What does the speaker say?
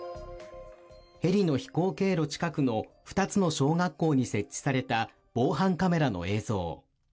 ヘリの飛行経路近くの２つの小学校に設置された防犯カメラの映像。